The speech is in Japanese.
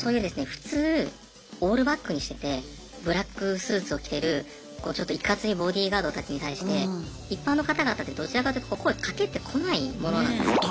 普通オールバックにしててブラックスーツを着てるちょっといかついボディーガードたちに対して一般の方々ってどちらかというと声かけてこないものなんですね。